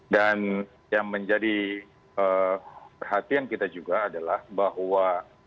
dan yang menjadi perhatian kita juga adalah bahwa